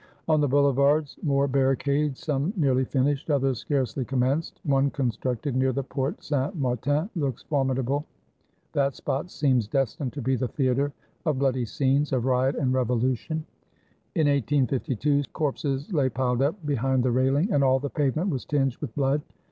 On the Boulevards more barricades; some nearly finished, others scarcely commenced. One constructed near the Porte Saint Martin looks formidable. That spot seems destined to be the theater of bloody scenes, of riot and revolution. In 1852, corpses lay piled up be hind the railing, and all the pavement was tinged with blood.